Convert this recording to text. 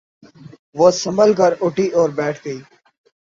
وہ سنبھل کر اٹھی اور بیٹھ گئی۔